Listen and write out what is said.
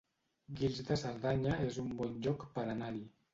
Guils de Cerdanya es un bon lloc per anar-hi